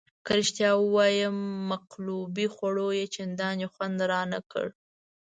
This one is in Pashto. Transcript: که رښتیا ووایم مقلوبې خوړو یې چندانې خوند رانه کړ.